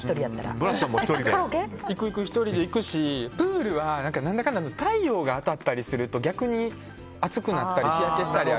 カラオケ、１人で行くしプールは何だかんだ太陽が当たったりすると逆に暑くなったり日焼けしたり。